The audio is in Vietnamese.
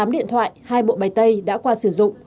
tám điện thoại hai bộ bày tay đã qua sử dụng